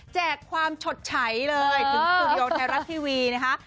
แจกความชดใช้เลยถึงสตูดิโอไทยรัฐทีวีนะคะ